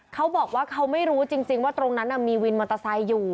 เขาบอกว่าเขาไม่รู้จริงว่าตรงนั้นมีวินมอเตอร์ไซค์อยู่